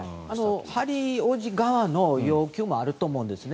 ハリー王子側の要求もあると思うんですね。